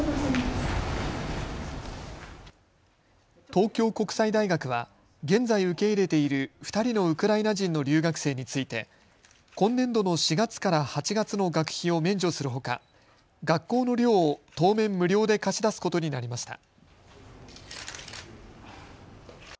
東京国際大学は現在、受け入れている２人のウクライナ人の留学生について今年度の４月から８月の学費を免除するほか学校の寮を当面、無料で貸し出すことになりました。